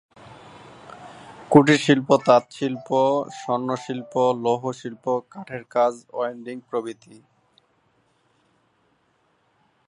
কুটিরশিল্প তাঁতশিল্প, স্বর্ণশিল্প, লৌহশিল্প, কাঠের কাজ, ওয়েল্ডিং প্রভৃতি।